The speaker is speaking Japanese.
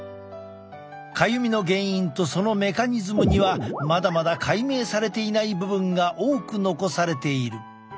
かゆみの原因とそのメカニズムにはまだまだ解明されていない部分が多く残されている。